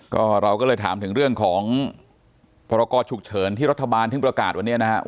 ก็เราก็เลยถามถึงเรื่องของพรกรฉุกเฉินที่รัฐบาลเพิ่งประกาศวันนี้นะครับ